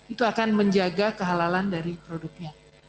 itu akan menjaga kehalalan dari produknya